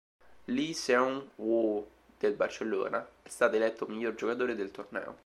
Lee Seung Woo, del Barcellona, è stato eletto miglior giocatore del torneo.